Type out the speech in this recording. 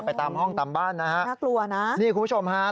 ไปตามห้องตามบ้านนะครับนี่คุณผู้ชมฮะนักรัวนะ